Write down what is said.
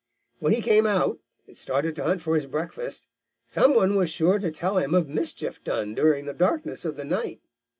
When he came out and started to hunt for his breakfast, some one was sure to tell him of mischief done during the darkness of the night.